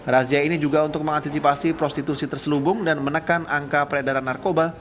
razia ini juga untuk mengantisipasi prostitusi terselubung dan menekan angka peredaran narkoba